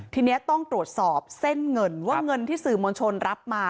ทีนี้ต้องตรวจสอบเส้นเงินว่าเงินที่สื่อมวลชนรับมา